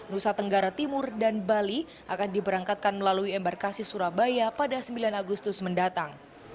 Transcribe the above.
nusa tenggara timur dan bali akan diberangkatkan melalui embarkasi surabaya pada sembilan agustus mendatang